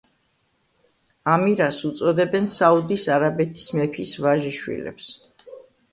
ამირას უწოდებენ საუდის არაბეთის მეფის ვაჟიშვილებს.